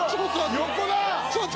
横だ！